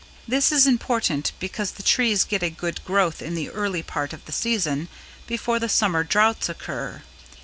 This is important because the trees get a good growth in the early part of the season before the Summer droughts occur.